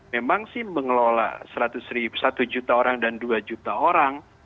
memang sih mengelola satu juta orang dan dua juta orang